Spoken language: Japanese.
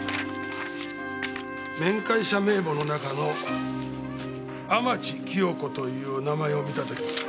面会者名簿の中の天地清子という名前を見た時。